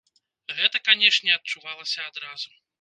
Гэта, канешне, адчувалася адразу.